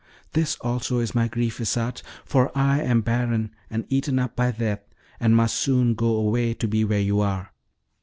This also is my grief, Isarte, for I am barren and eaten up by death, and must soon go away to be where you are.